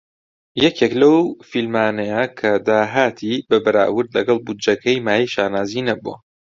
یەکێک لەو فیلمانەیە کە داهاتی بە بەراورد لەگەڵ بودجەکەی مایەی شانازی نەبووە.